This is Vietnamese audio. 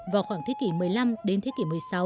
vào khoảng thế kỷ một mươi năm đến thế kỷ một mươi sáu